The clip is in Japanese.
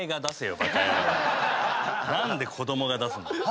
何で子供が出すんだよ。